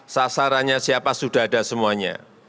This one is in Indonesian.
sasarannya siapa sudah ada semuanya